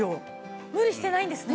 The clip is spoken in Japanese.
無理してないんですね。